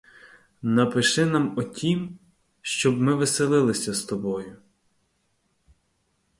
Напиши нам о тім, щоб ми веселилися з тобою.